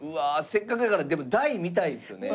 せっかくだからでも大見たいですよね？